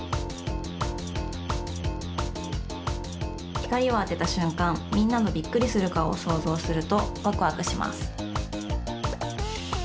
ひかりをあてたしゅんかんみんなのびっくりするかおをそうぞうするとワクワクします。